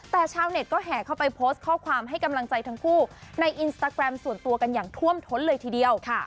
แต่ชาวเน็ตก็แห่เข้าไปโพสต์ข้อความให้กำลังใจทั้งคู่ในอินสตาแกรมส่วนตัวกันอย่างท่วมท้นเลยทีเดียว